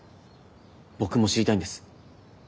僕も知りたいんです。